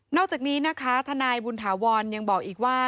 อกจากนี้นะคะทนายบุญถาวรยังบอกอีกว่า